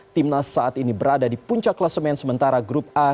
timnas saat ini berada di puncak klasemen sementara grup a